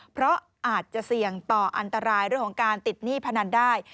เพราะอาจจะเสี่ยงต่ออันตรายเรื่องของการติดหนี้พนันได้